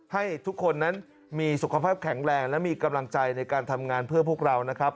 ให้ทุกคนนั้นมีสุขภาพแข็งแรงและมีกำลังใจในการทำงานเพื่อพวกเรานะครับ